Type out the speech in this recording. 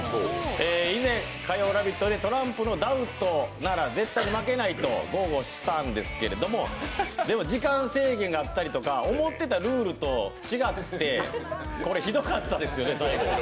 以前、火曜「ラヴィット！」でトランプのダウトなら絶対負けないと豪語したんですけれども、時間制限があったりとか、思ってたルールと違って、これ、ひどかったですよね、最後。